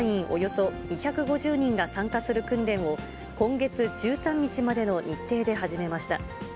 およそ２５０人が参加する訓練を、今月１３日までの日程で始めました。